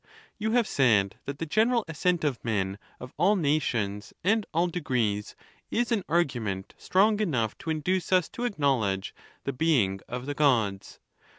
XXIII. You have said that the general assent of men of all nations and all degrees is an argument strong enough to induce us to acknowledge the being of the Gods.